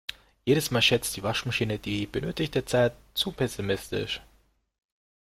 Jedes Mal schätzt die Waschmaschine die benötigte Zeit zu pessimistisch.